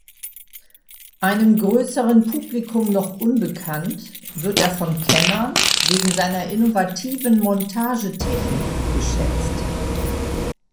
Einem größeren Publikum noch unbekannt, wird er von Kennern wegen seiner innovativen Montagetechnik geschätzt.